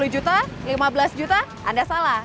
dua puluh juta lima belas juta anda salah